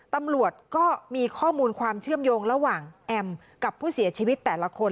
ตำรวจก็มีข้อมูลความเชื่อมโยงระหว่างแอมกับผู้เสียชีวิตแต่ละคน